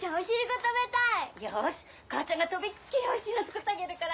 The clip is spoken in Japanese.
よし母ちゃんがとびっきりおいしいの作ってあげるから。